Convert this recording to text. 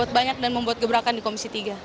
banyak dan membuat gebrakan di komisi tiga